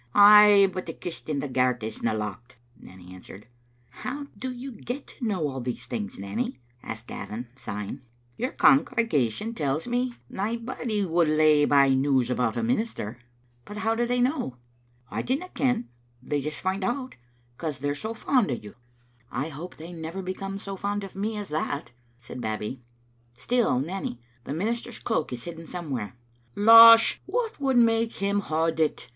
"Ay, but the kist in the garret isna locked," Nanny answered. " How do you get to know all these things, Nanny?" asked Gavin, sighing. "Your congregation tells me. Naebody would lay by news about a minist^." Digitized by VjOOQ IC Second Sermon Bgaln^t Womem isr •' But how do they know?" " I dinna ken. They just find out, because they're so fond o' you." " I hope they will never become so fond of me as that," said Babbie. " Still, Nanny, the minister's cloak is hidden somewhere. "" Losh, what would make him hod it?"